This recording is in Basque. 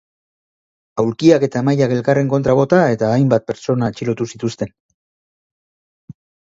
Aulkiak eta mahaiak elkarren kontra bota eta hainbat pertsona atxilotu zituzten.